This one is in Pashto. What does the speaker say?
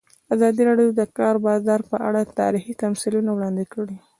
ازادي راډیو د د کار بازار په اړه تاریخي تمثیلونه وړاندې کړي.